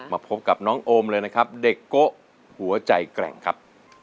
มาพบกับน้องโอมเลยนะครับเด็กโกะหัวใจแกร่งครับ